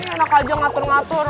enak aja ngatur ngatur